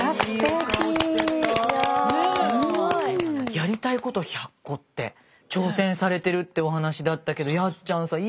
やりたいこと１００個って挑戦されてるってお話だったけどやっちゃんさん